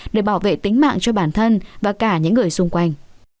để bảo vệ tính mạng cho bản thân và cả những người xung quanh